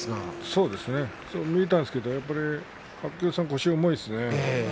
そう見えたんですけれども白鷹山は腰が重いですね。